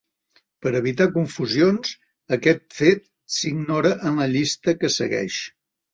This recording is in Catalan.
Per a evitar confusions, aquest fet s'ignora en la llista que segueix.